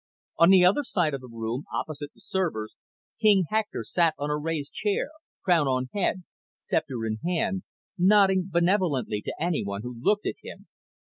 On the other side of the room, opposite the servers, King Hector sat on a raised chair, crown on head, scepter in hand, nodding benevolently to anyone who looked at him.